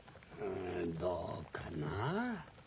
どうかなあ。